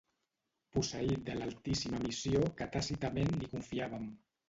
Posseït de l'altíssima missió que tàcitament li confiàvem